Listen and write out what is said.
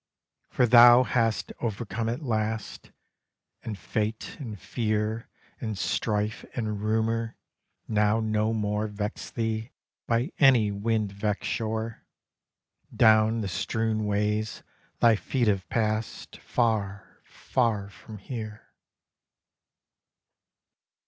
For thou hast overcome at last; And fate and fear And strife and rumor now no more Vex thee by any wind vexed shore, Down the strewn ways thy feet have passed Far, far from here.